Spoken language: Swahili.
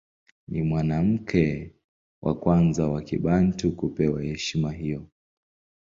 Ni mwanamke wa kwanza wa Kibantu kupewa heshima hiyo.